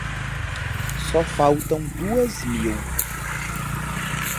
Só faltam duas mil.